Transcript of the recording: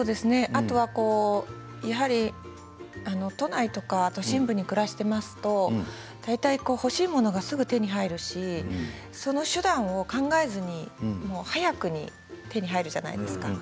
あとは都内とか都心部に暮らしていますと大体欲しいものがすぐ手に入るしその手段を考えずに早く手に入るじゃないですか。